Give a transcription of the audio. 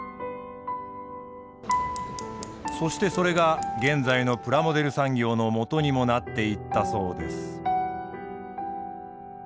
そしてそれが現在のプラモデル産業のもとにもなっていったそうです。